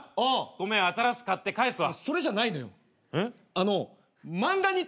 ごめん新しく買って返すわ。